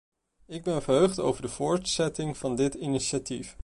Ik ben verheugd over de voortzetting van dit initiatief.